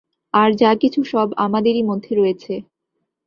আর যা কিছু সব আমাদেরই মধ্যে রয়েছে।